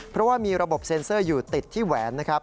เพราะว่ามีระบบเซ็นเซอร์อยู่ติดที่แหวนนะครับ